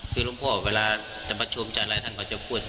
คือร่วมพวกเราเวลาจะประชุมจะอะไรทั้งความจะพูด